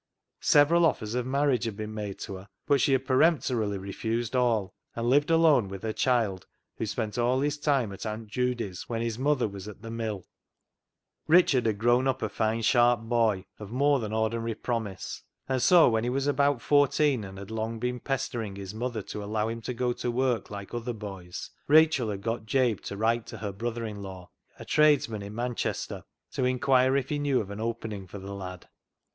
Several offers of marriage had been made to her, but she had peremptorily refused all, and lived alone with her child, who spent his time at Aunt Judy's when his mother was at the mill. Richard had grown up a fine sharp boy, of more than ordinary promise ; and so when he was about fourteen, and had long been pester ing his mother to allow him to go to work like other boys, Rachel had got Jabe to write to her brother in law, a tradesman in Manchester, to inquire if he knew of an opening for the lad.